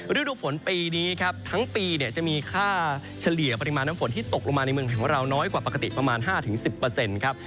ฤดูฝนปีนี้ครับทั้งปีเนี่ยจะมีค่าเฉลี่ยปริมาณน้ำฝนที่ตกลงมาในเมืองไทยของเราน้อยกว่าปกติประมาณ๕๑๐ครับ